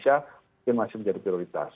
seperti indonesia mungkin masih menjadi prioritas